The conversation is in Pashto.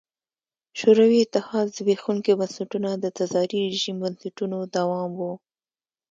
شوروي اتحاد زبېښونکي بنسټونه د تزاري رژیم بنسټونو دوام و.